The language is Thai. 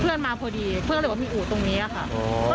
มาพอดีเพื่อนเลยว่ามีอู่ตรงนี้ค่ะ